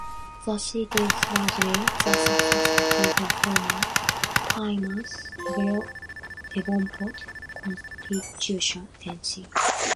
The seat is largely the successor to the former Plymouth Devonport constituency.